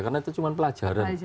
karena itu cuma pelajaran